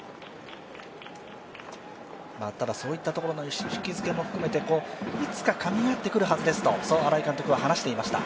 そういったところの位置づけも含めて、いつかかみ合ってくるはずですと、そう新井監督は話していました。